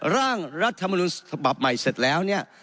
ร่างรัฐมนุนฉบับใหม่เสร็จแล้วเนี่ย